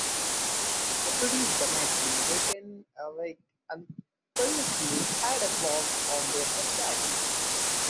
They produce the magazine "Britain Awake", and previously had a blog on their website.